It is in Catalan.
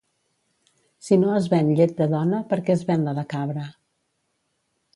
Si no es ven llet de dona perquè es ven la de cabra?